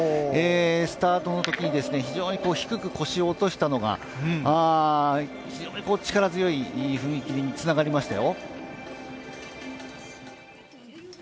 スタートのときに非常に低く腰を落としたのが非常に力強い踏み切りにつながりましたよ。